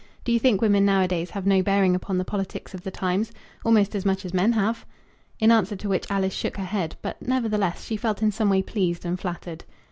Do you think women nowadays have no bearing upon the politics of the times? Almost as much as men have." In answer to which Alice shook her head; but, nevertheless, she felt in some way pleased and flattered.